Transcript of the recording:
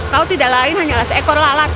kau tidak lain hanyalah seekor lalat